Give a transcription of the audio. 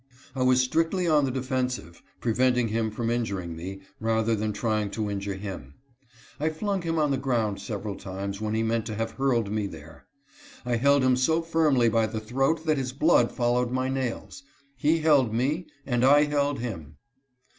I was strictly on the defensive, preventing him from injuring me, rather than trying to injure him. I flung him on the ground several times when he meant to have hurled me there. I held him so firmly by the throat that his blood followed my nails. He held me, and I held him.